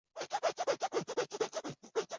本资料来源取自悠游台湾铁道网站。